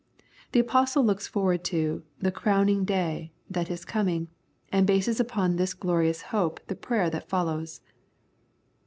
The Apostle looks forward to " the crowning day " that is coming, and bases upon this glorious hope the prayer that follows.